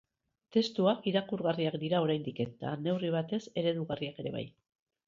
Testuak irakurgarriak dira oraindik eta, neurri batez, eredugarriak ere bai.